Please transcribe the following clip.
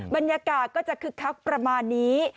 บรรยากาศก็จะคึกคักประมาณนี้